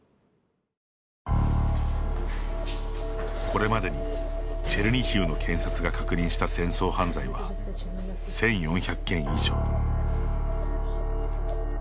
これまでにチェルニヒウの検察が確認した戦争犯罪は１４００件以上。